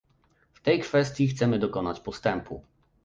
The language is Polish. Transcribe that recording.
W tej kwestii chcemy dokonać postępu